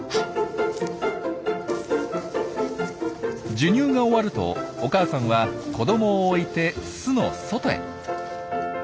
授乳が終わるとお母さんは子どもを置いて巣の外へ。